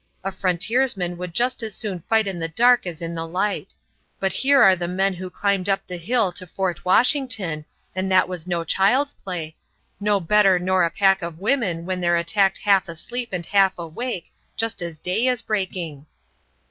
A frontiersman would just as soon fight in the dark as in the light; but here are the men who climbed up the hill to Fort Washington and that was no child's play no better nor a pack of women when they're attacked half asleep and half awake, just as day is breaking."